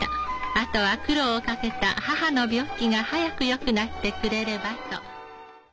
あとは苦労をかけた母の病気が早くよくなってくれればと。